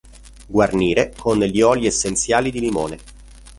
Guarnire con gli oli essenziali di limone.